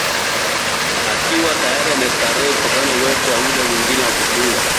akiwa tayari amestarehe kutokana na uwepo wa yule mwingine wa kutuliza